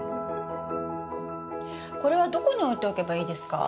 これはどこに置いておけばいいですか？